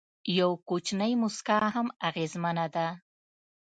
یو کوچنی موسکا هم اغېزمنه ده.